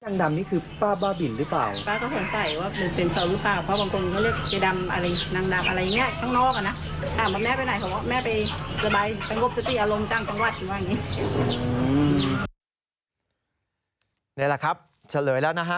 นี่แหละครับเฉลยแล้วนะฮะ